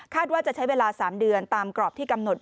ว่าจะใช้เวลา๓เดือนตามกรอบที่กำหนด